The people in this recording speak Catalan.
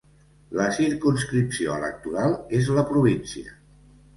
La circumscripció electoral és la província.